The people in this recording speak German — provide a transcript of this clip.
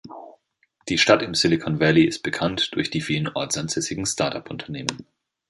Die Stadt im Silicon Valley ist bekannt durch die vielen ortsansässigen Start-up-Unternehmen.